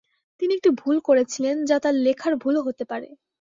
তিনি একটি ভুল করেছিলেন যা তার লেখার ভুলও হতে পারে।